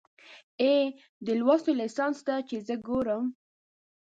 اې، دې لوستو ليسانسو ته چې زه ګورم